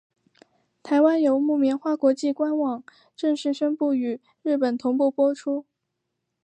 台湾由木棉花国际官网正式宣布与日本同步播出。